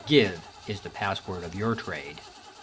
'^Give !" is the password of yoUr trade.